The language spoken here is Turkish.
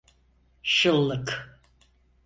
Şıllık!